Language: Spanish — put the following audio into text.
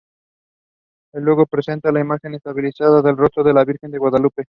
El logo representa la imagen estilizada del rostro de la Virgen de Guadalupe.